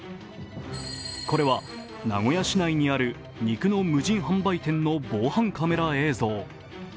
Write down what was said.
これは、名古屋市内にある肉の無人販売店の防犯カメラ映像。